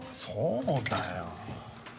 そうだよ。